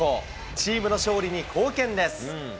チームの勝利に貢献です。